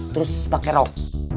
terus pake rok